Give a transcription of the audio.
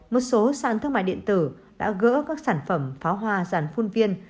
một số sản thương mại điện tử đã gỡ các sản phẩm pháo hoa giàn phun viên